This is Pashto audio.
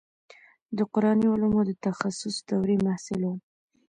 د قراني علومو د تخصص دورې محصل وم.